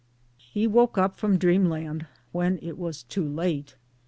He woke up from dreamland when it was too late.